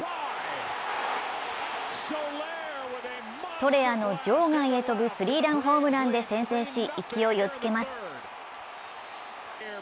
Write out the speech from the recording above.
ソレアの場外へ飛ぶスリーランホームランで先制し勢いをつけます。